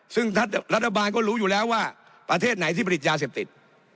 ซึ่งรัฐบาลก็รู้อยู่แล้วว่าประเทศไหนที่ผลิตยาเสพติด